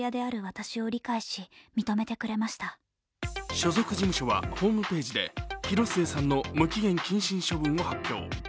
所属事務所はホームページで広末さんの無期限謹慎処分を発表。